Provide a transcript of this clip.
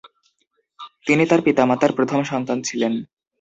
তিনি তার পিতামাতার প্রথম সন্তান ছিলেন।